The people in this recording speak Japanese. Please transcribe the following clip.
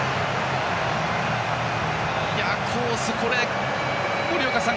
コース、これ森岡さん